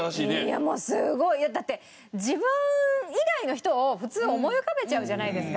だって自分以外の人を普通思い浮かべちゃうじゃないですか。